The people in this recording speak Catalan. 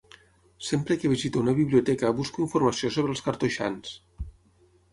Sempre que visito una biblioteca busco informació sobre els cartoixans.